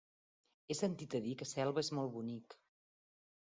He sentit a dir que Selva és molt bonic.